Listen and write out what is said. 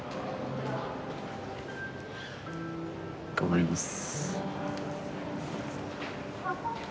頑張ります。